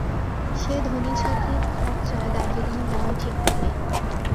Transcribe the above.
সে ধনী ছাত্রীর খরচায় দার্জিলিঙে যাওয়াই ঠিক করলে।